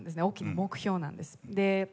大きな目標なんです。